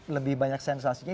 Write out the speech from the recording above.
lebih banyak sensasinya